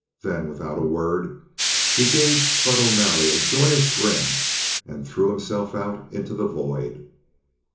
Then, without a word, he gave Spud O'Malley a joyous grin and threw himself out into the void....